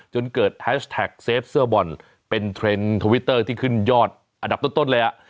จนเกิดแฮชแท็กเซฟเสื้อบอลเป็นเทรนด์ทวิตเตอร์ที่ขึ้นยอดอันดับต้นเลยอ่ะ